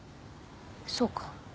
そうか。